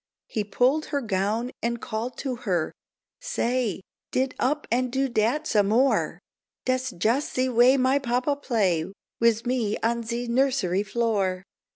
He pulled her gown and called to her: "Say, Dit up and do dat some more, Das jus' ze way my papa play Wiz me on ze nursery floor."